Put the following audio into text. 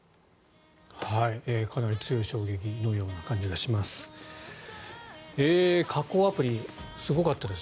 かなり強い衝撃のような感じがします。